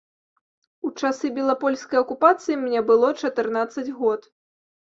У часы белапольскай акупацыі мне было чатырнаццаць год.